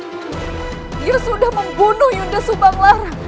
dia sudah membunuh yunda subanglar